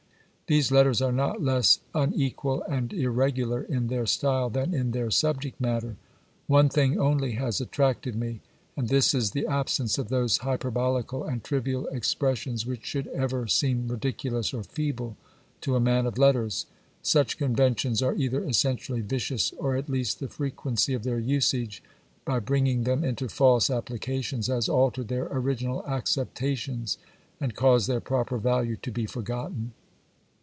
These letters are not less unequal and irregular in their style than in their subject matter. One thing only has attracted me, and this is the absence of those hyperbolical and trivial expressions which should ever seem ridiculous or feeble to a man of letters. Such conventions are either essentially vicious or at least tiie frequency of their usage, by bringing them into false applications, has altered their original acceptations and caused their proper value to be forgotten.